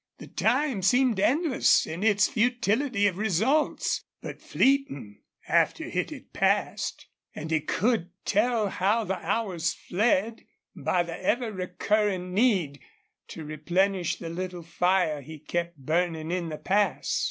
The time seemed endless in its futility of results, but fleeting after it had passed; and he could tell how the hours fled by the ever recurring need to replenish the little fire he kept burning in the pass.